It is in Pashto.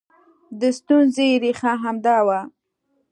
د ستونزې ریښه همدا وه